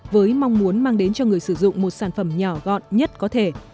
với mong muốn mang đến cho người sử dụng một sản phẩm nhỏ gọn nhất có thể